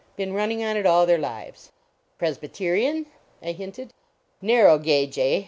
Been running on it all their lives." " Presbyterian? " I hinted. Narrow gauge , eh